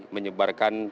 menyebarkan para pejuang